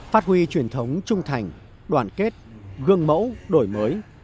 phát huy truyền thống trung thành đoàn kết gương mẫu đổi mới